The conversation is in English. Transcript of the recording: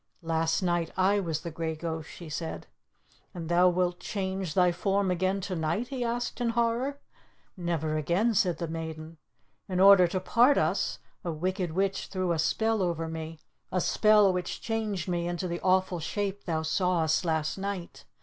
"Last night I was the grey ghost," she said. "And thou wilt change thy form again to night?" he asked in horror. "Never again," said the maiden. "In order to part us a wicked witch threw a spell over me a spell which changed me into the awful shape thou sawest last night.